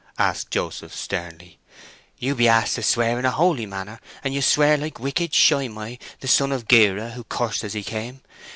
asked Joseph sternly. "You be asked to swear in a holy manner, and you swear like wicked Shimei, the son of Gera, who cursed as he came.